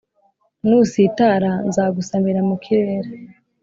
Nusitara nzagusamira mu kirere